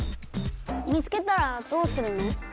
見つけたらどうするの？